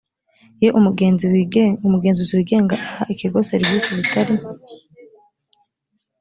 iyo umugenzuzi wigenga anaha ikigo serivisi zitari